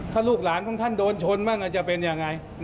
ถ้าลูกหลานของท่านโดนชนบ้างจะเป็นยังไง